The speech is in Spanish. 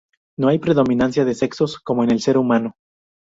No hay predominancia de sexos, como en el ser humano.